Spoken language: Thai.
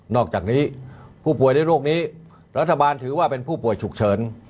อกจากนี้ผู้ป่วยในโรคนี้รัฐบาลถือว่าเป็นผู้ป่วยฉุกเฉิน